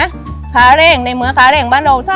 เป็นขาแรงในเมืองขาแรง